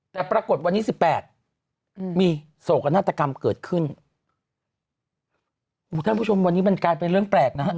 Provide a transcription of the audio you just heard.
แต่ปรากฏวันนี้สิบแปดมีโศกนาฏกรรมเกิดขึ้นท่านผู้ชมวันนี้มันกลายเป็นเรื่องแปลกนะฮะ